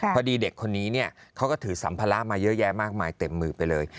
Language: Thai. พอดีเด็กคนนี้เนี่ยเขาก็ถือสัมภาระมาเยอะแยะมากมายเต็มมือไปเลย